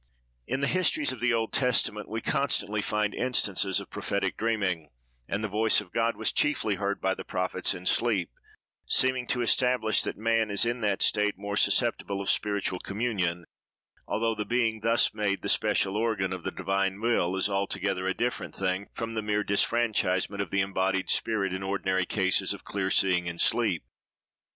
In the histories of the Old Testament we constantly find instances of prophetic dreaming, and the voice of God was chiefly heard by the prophets in sleep; seeming to establish that man is in that state more susceptible of spiritual communion, although the being thus made the special organ of the Divine will, is altogether a different thing from the mere disfranchisement of the embodied spirit in ordinary cases of clear seeing in sleep.